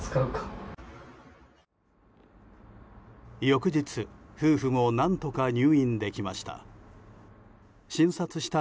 翌日、夫婦も何とか入院できました。